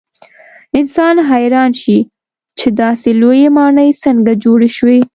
انسان حیران شي چې داسې لویې ماڼۍ څنګه جوړې شوې.